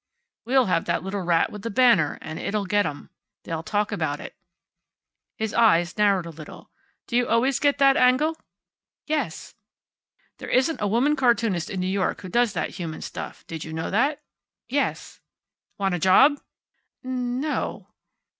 We'll have that little rat with the banner, and it'll get 'em. They'll talk about it." His eyes narrowed a little. "Do you always get that angle?" "Yes." "There isn't a woman cartoonist in New York who does that human stuff. Did you know that?" "Yes." "Want a job?" "N no."